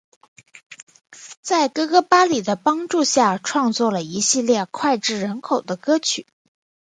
在哥哥巴里的帮助下创作了一系列脍炙人口的歌曲。